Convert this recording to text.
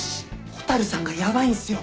蛍さんがヤバいんすよ。